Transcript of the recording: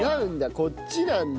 こっちなんだ。